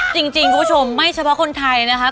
จริงคุณผู้ชมไม่เฉพาะคนไทยนะครับ